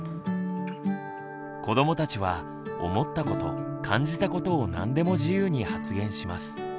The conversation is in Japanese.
子どもたちは思ったこと感じたことを何でも自由に発言します。